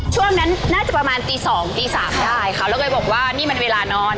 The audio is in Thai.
ช่วงนั้นน่าจะประมาณตีสองตีสามได้ค่ะแล้วก็เลยบอกว่านี่มันเวลานอน